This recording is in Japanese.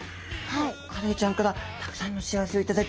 カレイちゃんからたくさんの幸せを頂き